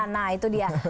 nah itu dia